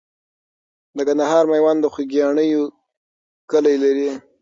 د کندهار میوند د خوګیاڼیو کلی لري.